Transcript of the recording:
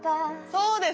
そうです